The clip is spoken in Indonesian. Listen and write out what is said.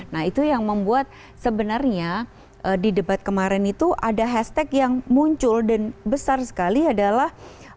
nah itu yang membuat sebenarnya di debat kemarin itu ada hashtag yang muncul dan besar sekali adalah